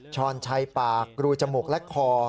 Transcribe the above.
ช้อนชัยปากรูจมูกและคอ